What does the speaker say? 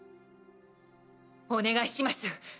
お願いします。